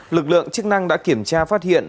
lực lượng chức năng đã kiểm tra phát hiện